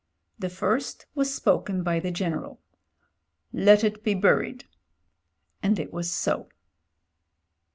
The first was spoken by the General. '*Let it be buried." And it was so.